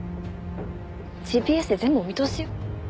ＧＰＳで全部お見通しよ。